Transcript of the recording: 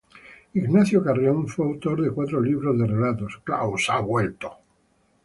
Ignacio Carrión fue autor de cuatro libros de relatos: "Klaus ha vuelto".